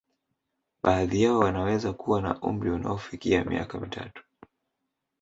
Baadhi yao wanaweza kuwa na umri unaofikia miaka mitatu